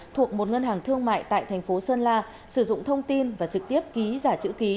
thuộc một ngân hàng thương mại tại thành phố sơn la sử dụng thông tin và trực tiếp ký giả chữ ký